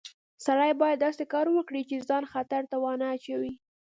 سړی باید داسې کار وکړي چې ځان خطر ته ونه اچوي